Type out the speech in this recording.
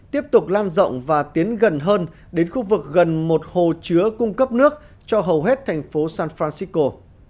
tiếp tục lan rộng và tiến gần hơn đến khu vực gần một hồ chứa cung cấp nước cho hầu hết thành phố san francisco